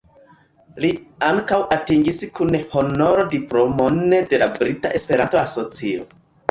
Li ankaŭ atingis kun honoro diplomon de la Brita Esperanto-Asocio.